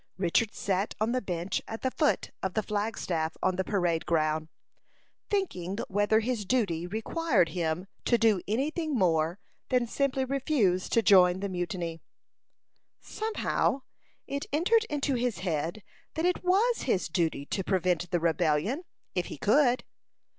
Richard sat on the bench at the foot of the flagstaff on the parade ground, thinking whether his duty required him to do any thing more than simply refuse to join the mutiny. Somehow, it entered into his head that it was his duty to prevent the rebellion if he could.